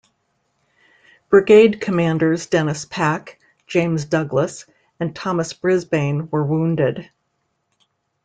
Brigade commanders Denis Pack, James Douglas, and Thomas Brisbane were wounded.